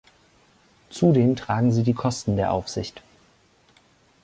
Zudem tragen sie die Kosten der Aufsicht.